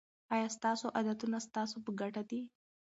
آیا ستاسو عادتونه ستاسو په ګټه دي.